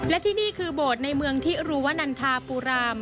และที่นี่คือโบสถ์ในเมืองที่รูวนันทาปูราม